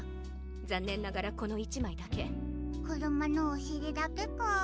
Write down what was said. ざんねんながらこの１まいだけ。くるまのおしりだけかあ。